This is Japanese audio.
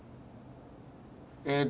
えっと